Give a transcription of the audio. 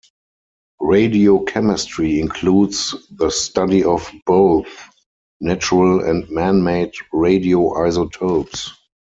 Radiochemistry includes the study of both natural and man-made radioisotopes.